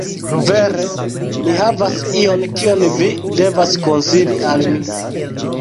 Vere, mi havas ion kion vi devas konsili al mi